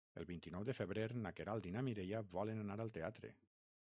El vint-i-nou de febrer na Queralt i na Mireia volen anar al teatre.